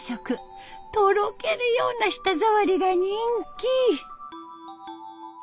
とろけるような舌触りが人気。